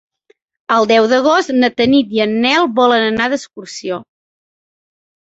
El deu d'agost na Tanit i en Nel volen anar d'excursió.